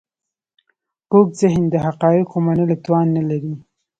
کوږ ذهن د حقایقو منلو توان نه لري